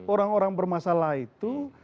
orang orang bermasalah itu